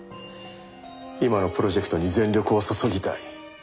今のプロジェクトに全力を注ぎたい。